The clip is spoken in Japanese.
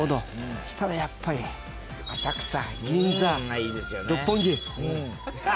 そしたらやっぱり浅草銀座六本木。